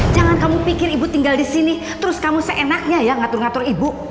jangan kamu pikir ibu tinggal di sini terus kamu seenaknya ya ngatur ngatur ibu